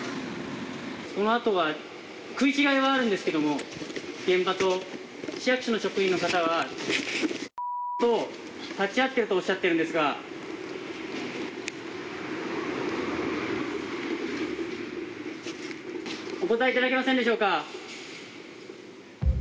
そのあとが食い違いはあるんですけども現場と市役所の職員の方は○○と立ち会ってるとおっしゃってるんですがお答えいただけませんでしょうか？